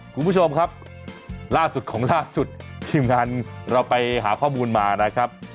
คุณผู้ชมครับล่าสุดของล่าสุดทีมงานเราไปหาข้อมูลมานะครับ